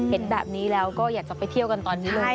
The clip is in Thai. เห็นแบบนี้แล้วก็อยากจะไปเที่ยวกันตอนนี้เลย